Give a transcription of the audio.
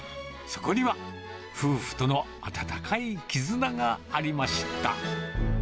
そこには夫婦との温かい絆がありました。